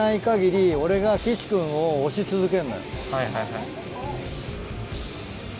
はいはいはい。